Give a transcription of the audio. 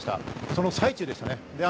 その最中でした。